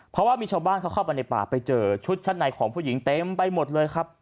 เพราะว่ามีชาวบ้านเขาเข้าไปในป่าไปเจอชุดชั้นในของผู้หญิงเต็มไปหมดเลยครับ